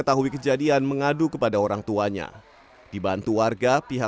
itu anak saya ada di motor itu